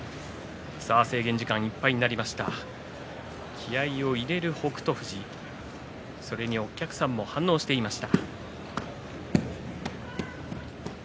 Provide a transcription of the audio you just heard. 気合いを入れる北勝富士お客さんも反応をしています。